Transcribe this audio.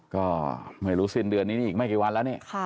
ก็ไม่รู้สิ้นเดือนนี้อีกไม่กี่วัน